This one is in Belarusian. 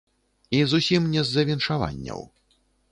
І зусім не з-за віншаванняў.